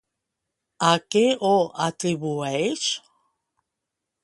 A què ho atribueix?